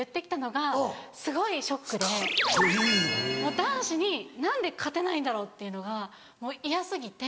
男子に何で勝てないんだろうっていうのがもう嫌過ぎて。